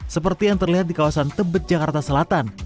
seperti yang terlihat di kawasan tebet jakarta selatan